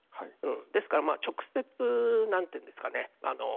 ですから、直接なんていうんですかね